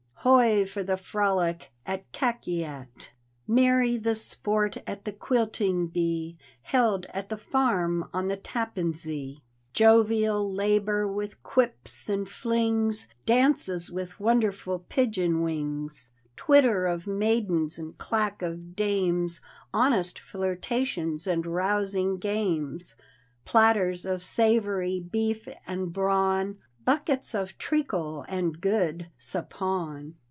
Hoi for the frolic at KakiatI Merry, the sport at the quilting bee Held at the farm on the Tappan Zee I D,gt,, erihyGOOgle The Flying Dutchman of the Tappan Zee 69 Jovial labor with quips and flings, Dances with wonderful pigeon wings, Twitter of maidens and clack of dames, Honest flirtations and rousing games; Platters of savory beef and brawn. Buckets of treacle and good suppawn.